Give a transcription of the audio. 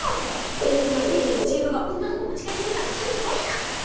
「ＡナグマＴ治のＧ郎が女の子をお持ち帰りしてた」ってちゃんとぼやかすから。